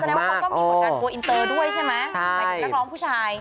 อ๋อแสดงว่าก็มีผลงานโบว่าอินเตอร์ด้วยใช่ไหมหมายถึงนักร้องผู้ชาย